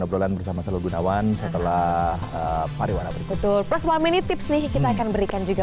obrolan bersama seluruh gunawan setelah pariwara betul plus mini tips nih kita akan berikan juga